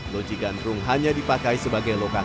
loji gandrung hanya dipakai sebagai lokasi